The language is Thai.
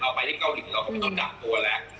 ไปที่เกาหลีเราก็ไม่ต้องจับตัวแล้ว